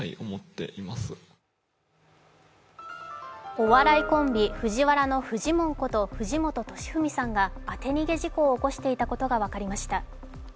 お笑いコンビ、ＦＵＪＩＷＡＲＡのフジモンこと藤本敏史さんが当て逃げ事故を起こしていたことが分かりました。